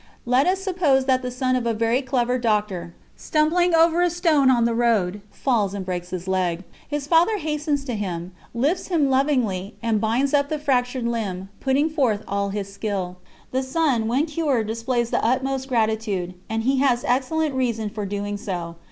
Let us suppose that the son of a very clever doctor, stumbling over a stone on the road, falls and breaks his leg. His father hastens to him, lifts him lovingly, and binds up the fractured limb, putting forth all his skill. The son, when cured, displays the utmost gratitude, and he has excellent reason for doing so.